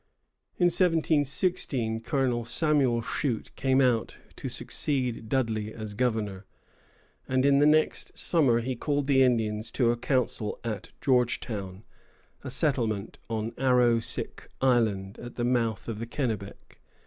In 1716 Colonel Samuel Shute came out to succeed Dudley as governor; and in the next summer he called the Indians to a council at Georgetown, a settlement on Arrowsick Island, at the mouth of the Kennebec.